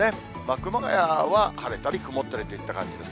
熊谷は晴れたり曇ったりといった感じです。